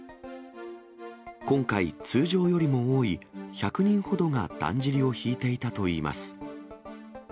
今回、通常よりも多い１００人ほどがだんじりを引いていたといいます。